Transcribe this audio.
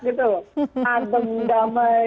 gitu loh adem damai